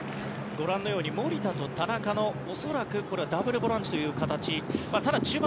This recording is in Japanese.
ご覧のように守田と田中の恐らくダブルボランチという形。